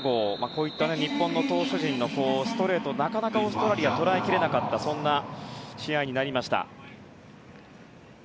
こういった日本の投手陣のストレートをなかなかオーストラリアは捉えきれなかったというそんな試合になりました。